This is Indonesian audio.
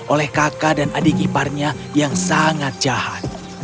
oleh kakak dan adik iparnya yang sangat jahat